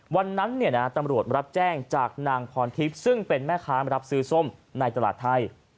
วันนั้นตำรวจรับแจ้งจากนางพรทิพย์ซึ่งเป็นแม่ค้ามารับซื้อส้มในตลาดไทย